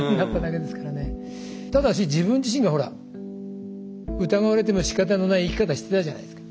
ただし自分自身がほら疑われてもしかたのない生き方してたじゃないですか。